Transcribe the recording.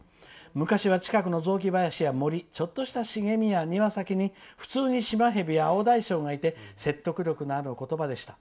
昔は近くの雑木林や森ちょっとした茂みや庭先に普通にシマヘビやアオダイショウがいて説得力がある言葉でした。